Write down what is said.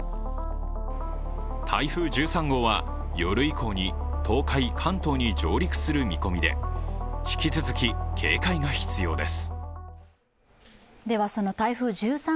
台風１３号は夜以降に東海・関東に上陸する見込みで引き続き警戒が必要です。